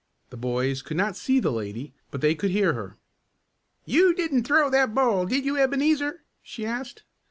The boys could not see the lady but they could hear her. "You didn't throw that ball, did you, Ebenezer?" she asked.